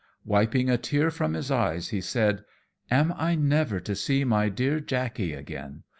Wiping a tear from his eyes, he said, "Am I never to see my dear Jackey again?